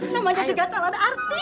namanya juga calon artis